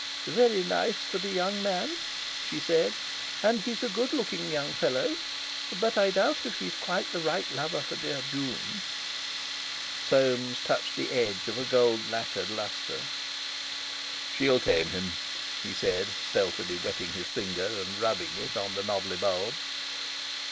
"Very nice for the young man," she said; "and he's a good looking young fellow; but I doubt if he's quite the right lover for dear June." Soames touched the edge of a gold lacquered lustre. "She'll tame him," he said, stealthily wetting his finger and rubbing it on the knobby bulbs.